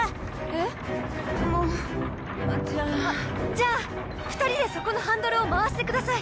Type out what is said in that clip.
じゃあ２人でそこのハンドルを回してください。